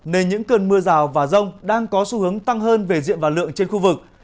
nên những cơn mưa rào và rông đang có xu hướng tăng hơn về diện và lượng trên khu vực